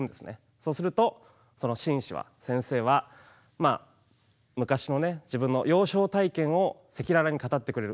そうするとその紳士は先生は昔のね自分の幼少体験を赤裸々に語ってくれる。